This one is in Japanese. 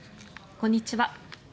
こんにちは。